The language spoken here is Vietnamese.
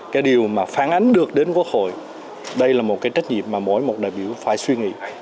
cái điều mà phản ánh được đến quốc hội đây là một cái trách nhiệm mà mỗi một đại biểu phải suy nghĩ